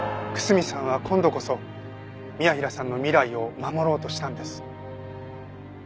楠見さんは今度こそ宮平さんの未来を守ろうとしたんです。